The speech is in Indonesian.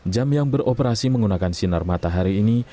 jam yang beroperasi menggunakan sinar matahari ini